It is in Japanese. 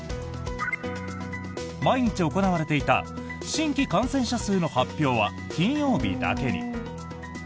毎日行われていた新規感染者数の発表は金曜日だけに。